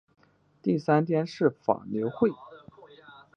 第三天是牛法会。